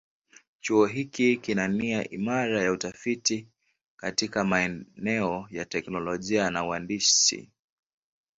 Chuo hiki kina nia imara ya utafiti katika maeneo ya teknolojia na uhandisi.